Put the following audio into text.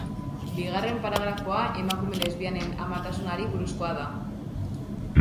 Bigarren paragrafoa emakume lesbianen amatasunari buruzkoa da.